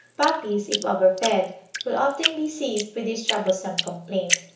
Puppies, if overfed, will often be seized with this troublesome complaint.